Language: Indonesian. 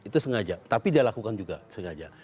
itu sengaja tapi dia lakukan juga sengaja